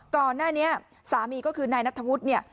ก่อนหน้านี้สามีก็คือนายนัทธวุฒิเนี่ย